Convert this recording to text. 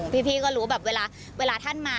พี่ก็รู้แบบเวลาท่านมา